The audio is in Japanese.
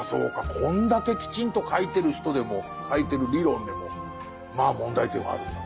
こんだけきちんと書いてる人でも書いてる理論でもまあ問題点はあるんだと。